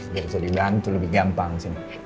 biar bisa dibantu lebih gampang